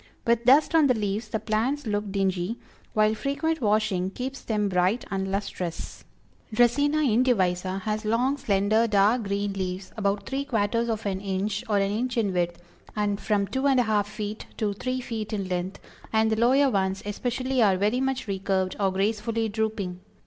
With dust on the leaves the plants look dingy, while frequent washing keeps them bright and lustrous. Dracæna indivisa has long, slender, dark green leaves, about three quarters of an inch or an inch in width, and from two and a half feet to three feet in length, and the lower ones especially are very much recurved or gracefully drooping.